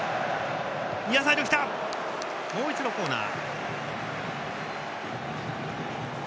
もう一度、コーナー。